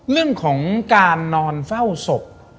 เรื่องของการนอนเฝ้าศพ